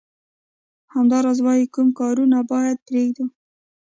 همدارنګه وايي کوم کارونه باید پریږدو.